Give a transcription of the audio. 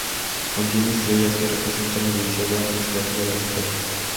Contiene estrellas, que representan la división administrativa del Estado.